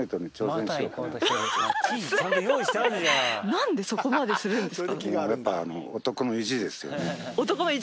何でそこまでするんですか？